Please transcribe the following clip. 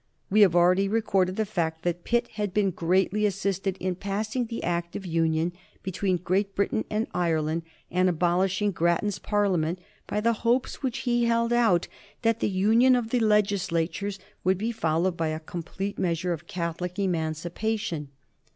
We have already recorded the fact that Pitt had been greatly assisted in passing the Act of Union between Great Britain and Ireland and abolishing Grattan's Parliament by the hopes which he held out that the union of the legislatures would be followed by a complete measure of Catholic emancipation.